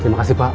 terima kasih pak